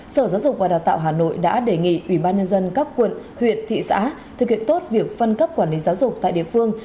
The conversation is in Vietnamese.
sở giáo dục và đào tạo hà nội đã đề nghị ủy ban nhân dân các quận huyện thị xã thực hiện tốt việc phân cấp quản lý giáo dục tại địa phương